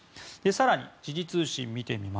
更に、時事通信です。